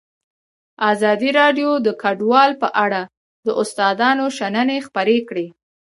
ازادي راډیو د کډوال په اړه د استادانو شننې خپرې کړي.